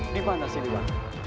dimana si wang